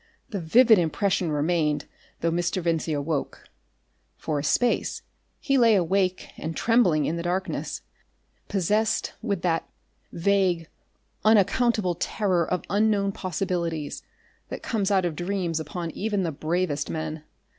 The vivid impression remained though Mr. Vincey awoke. For a space he lay awake and trembling in the darkness, possessed with that vague, unaccountable terror of unknown possibilities that comes out of dreams upon even the bravest men.